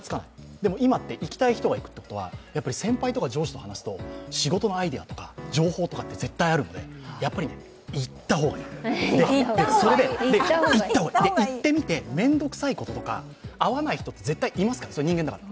でも今って行きたい人だけが行くということは先輩とか上司と話すと仕事のアイデアとか情報とかって絶対あるんで、行ったほうがいい、行ってみてめんどくさいこととか、合わない人っていますから、人間ですから。